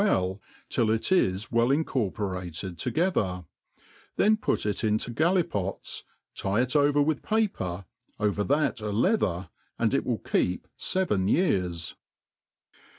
jif well, till it it wen incorporated togedter ; chtti put it intc| gallipots, tie it over with paper, over that a leather^ and it >^il keep Teren years.